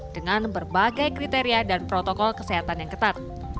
dengan berbagai kriteria dan protokol kesehatan yang ketat